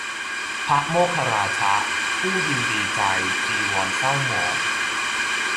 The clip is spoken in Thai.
พระโมฆราชะ ผู้ยินดีใจจีวรเศร้าหมอง